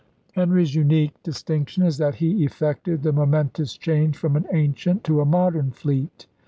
Henry's unique distinction is that he effected the momentous change from an ancient to a modern fleet.